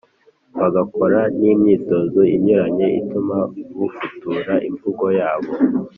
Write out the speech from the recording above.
bagakora n’imyitozo inyuranye ituma bafutura imvugo yabo;